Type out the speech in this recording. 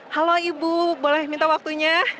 halo ibu boleh minta waktunya